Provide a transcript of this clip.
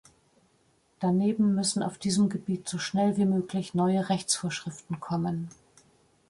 Daneben müssen auf diesem Gebiet so schnell wie möglich neue Rechtsvorschriften kommen.